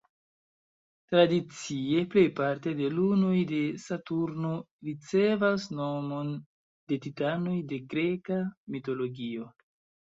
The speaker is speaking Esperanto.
Tradicie, plejparte de lunoj de Saturno ricevas nomon de titanoj de greka mitologio.